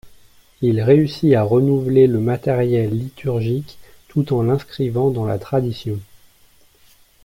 Il réussit à renouveler le matériel liturgique tout en l’inscrivant dans la tradition.